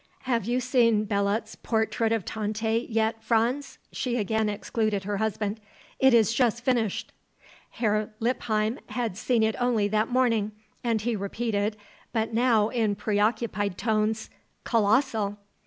"Have you seen Belot's portrait of Tante, yet, Franz?" she again excluded her husband; "It is just finished." Herr Lippheim had seen it only that morning and he repeated, but now in preoccupied tones, "Kolossal!"